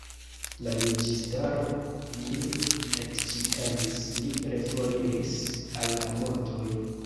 La juĝistaro lin ekĉikanis; li reforiris al la montoj.